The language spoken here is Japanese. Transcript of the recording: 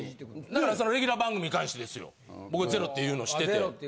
だからそのレギュラー番組に関してですよ。僕ゼロっていうのを知ってて。